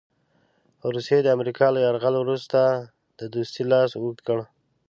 روسیې د امریکا له یرغل وروسته د دوستۍ لاس اوږد کړ.